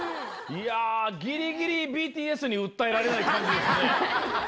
ぎりぎりＢＴＳに訴えられない感じですね。